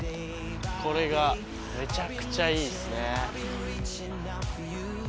これがめちゃくちゃいいっすね。